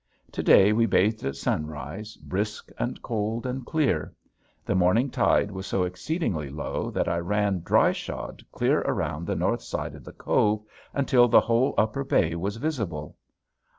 To day we bathed at sunrise, brisk and cold and clear. The morning tide was so exceedingly low that I ran dry shod clear around the north side of the cove until the whole upper bay was visible.